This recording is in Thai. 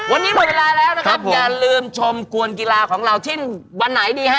วันนี้หมดเวลาแล้วนะครับอย่าลืมชมกวนกีฬาของเราที่วันไหนดีฮะ